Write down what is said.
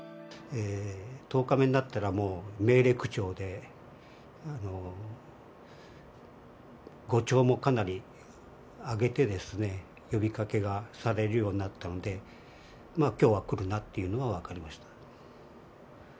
１０日目になったら、もう命令口調で、語調もかなり上げてですね、呼びかけがされるようになったんで、きょうは来るなというのは分かりました。